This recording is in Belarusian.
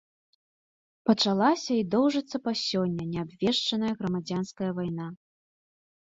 Пачалася і доўжыцца па сёння неабвешчаная грамадзянская вайна.